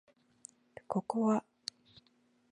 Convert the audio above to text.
ここは、頼山陽のいた山紫水明処、